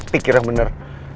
pikir yang bener